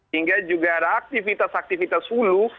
hingga juga ada aktivitas aktivitas hulu